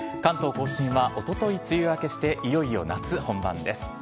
甲信は、おととい梅雨明けして、いよいよ夏本番です。